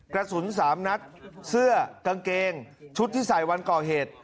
กระสุน๓นัดเสื้อกางเกงชุดที่ใส่วันก่อเหตุ